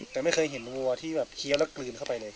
แต่ไม่เคยเห็นวัวที่แบบเคี้ยวแล้วกลืนเข้าไปเลย